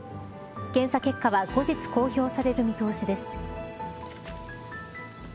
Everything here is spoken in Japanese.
検査結果は後日公表される見通しです。